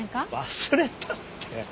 忘れたって。